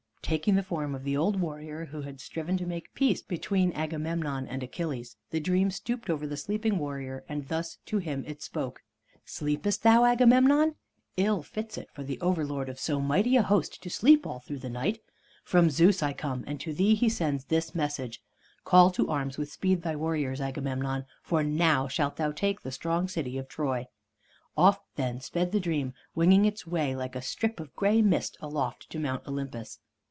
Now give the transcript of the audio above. Taking the form of the old warrior who had striven to make peace between Agamemnon and Achilles, the Dream stooped over the sleeping warrior, and thus to him it spoke: "Sleepest thou, Agamemnon? Ill fits it for the overlord of so mighty a host to sleep all through the night. From Zeus I come, and to thee he sends this message: 'Call to arms with speed thy warriors, Agamemnon, for now shalt thou take the strong city of Troy.'" Off then sped the Dream, winging its way like a strip of gray mist aloft to Mount Olympus.